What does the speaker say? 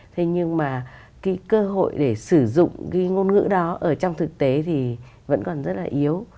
thế nhưng mà cái cơ hội để sử dụng cái ngôn ngữ đó ở trong thực tế thì vẫn còn rất là yếu